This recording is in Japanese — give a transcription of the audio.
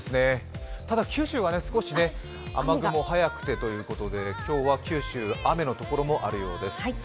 ただ九州が少し雨雲早くてということで今日は九州、雨のところもあるようです。